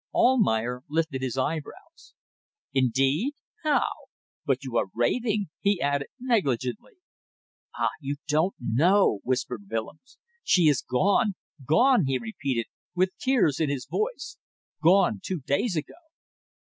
Almayer lifted his eyebrows. "Indeed! How? But you are raving," he added, negligently. "Ah! You don't know," whispered Willems. "She is gone. Gone," he repeated, with tears in his voice, "gone two days ago."